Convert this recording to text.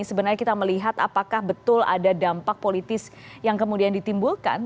sebenarnya kita melihat apakah betul ada dampak politis yang kemudian ditimbulkan